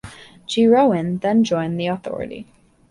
Jeroen then joined the Authority.